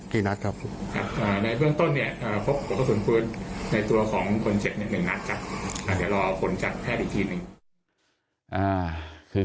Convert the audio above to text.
เดี๋ยวเราเอาผลจัดแพทย์อีกทีนึง